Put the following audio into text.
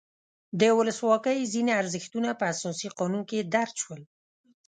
د ولسواکۍ ځینې ارزښتونه په اساسي قانون کې درج شول.